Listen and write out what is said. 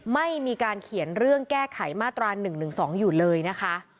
ไม่มีการเขียนเรื่องแก้ไขมาตรา๑๑๒อยู่เลยนะคะ